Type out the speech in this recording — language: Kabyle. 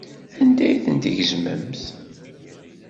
Anda ay ten-tgezmemt?